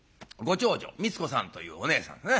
長女美津子さんというおねえさんですね。